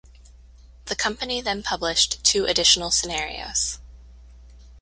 The company then published two additional scenarios.